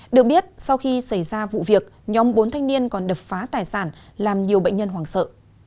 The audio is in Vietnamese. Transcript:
được biết sau khi xảy ra vụ việc nhóm bốn thanh niên còn đập phá tài sản làm nhiều bệnh nhân hoảng sợ